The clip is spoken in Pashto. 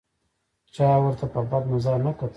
چا ورته په بد نظر نه کتل.